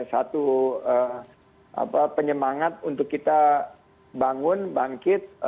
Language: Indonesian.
satu penyemangat untuk kita bangun bangkit